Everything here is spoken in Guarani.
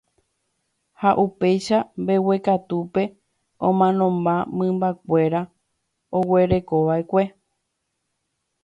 ha upéicha mbeguekatúpe omanomba mymbakuéra oguerekova'ekue.